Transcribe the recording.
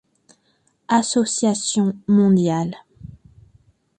Association mondiale.